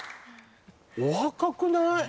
お若くない？